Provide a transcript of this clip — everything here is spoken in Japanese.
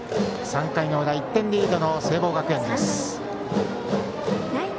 ３回の裏、１点リードの聖望学園です。